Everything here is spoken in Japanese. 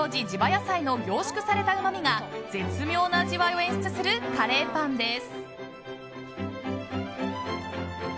野菜の凝縮されたうまみが絶妙な味わいを演出するカレーパンです。